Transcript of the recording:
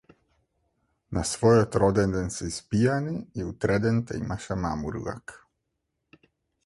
На својот роденден се испијани и утредента имаше мамурлак.